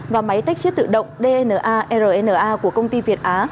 và máy tách chiết tự động dna rna của công ty việt á